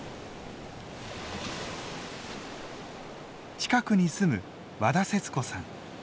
近くに住む和田節子さん。